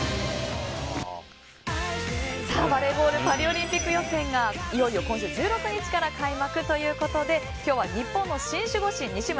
バレーボールパリオリンピック予選がいよいよ今週１６日から開幕ということで今日は日本のシン・守護神西村